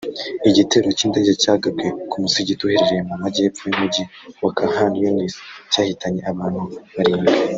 igitero cy’indege cyagabwe ku musigiti uherereye mu majyepfo y’umujyi wa Khan Yunis cyahitanye abantu barindwi